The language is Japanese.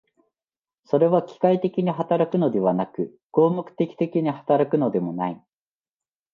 それは機械的に働くのではなく、合目的的に働くのでもない。